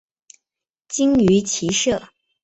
精于骑射。